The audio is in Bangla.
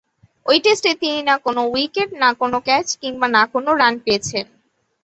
ঐ টেস্টে তিনি না কোন উইকেট, না কোন ক্যাচ কিংবা না কোন রান পেয়েছেন।